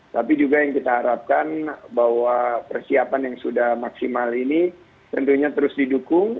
tapi juga yang kita harapkan bahwa persiapan yang sudah maksimal ini tentunya terus didukung